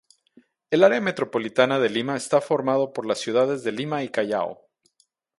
El área metropolitana de Lima está formado por las ciudades de Lima y Callao.